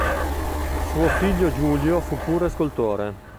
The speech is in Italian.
Su figlio Giulio fu pure scultore.